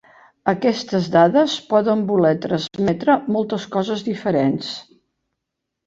Aquestes dades poden voler transmetre moltes coses diferents.